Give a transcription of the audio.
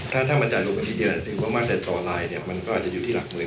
ถ้าจ่ายลูกวัคดิ์เดียวก็ต่อลายก็อาจจะอยู่ที่หลักมือ